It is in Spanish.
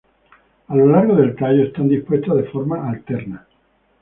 A lo largo del tallo están dispuestas de forma alterna.